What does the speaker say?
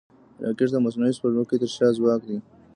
راکټ د مصنوعي سپوږمکۍ تر شا ځواک دی